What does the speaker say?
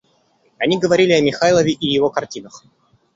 Они говорили о Михайлове и его картинах.